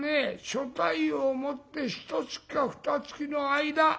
所帯を持ってひとつきかふたつきの間。